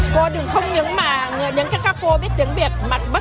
cô đừng không những các cô biết tiếng việt mặt bất kỳ